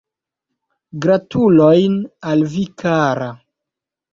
Gratulojn al vi kara.